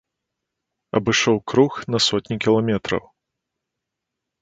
Абышоў круг на сотні кіламетраў.